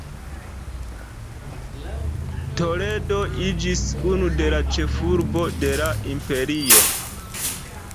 Toledo iĝis unu de la ĉefurboj de la imperio.